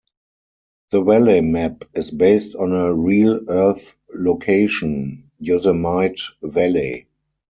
The Valley map is based on a real Earth location: Yosemite Valley.